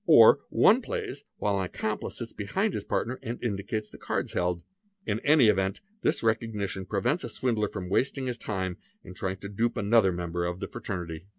Or one plays while an accomp ic sits behind his partner and indicates the cards held. In any event thi recognition prevents a swindler from wasting his time in trying to du r another member of the fraternity.